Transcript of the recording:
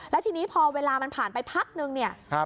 และทีนี้พอเวลามันผ่านไปพักหนึ่ง